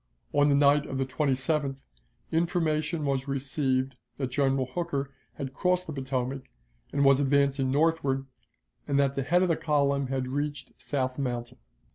On the night of the 27th information was received that General Hooker had crossed the Potomac, and was advancing northward, and that the head of the column had reached South Mountain.